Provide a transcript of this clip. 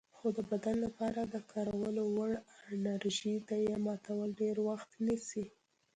خو د بدن لپاره د کارولو وړ انرژي ته یې ماتول ډېر وخت نیسي.